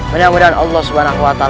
menyambutkan allah swt